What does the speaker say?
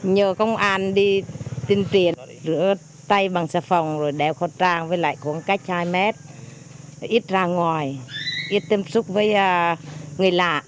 nhờ công an đi tuyên truyền rửa tay bằng xe phòng rồi đeo khẩu trang với lại cũng cách hai mét ít ra ngoài ít tâm trúc với người lạ